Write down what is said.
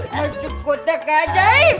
masuk kota kadaib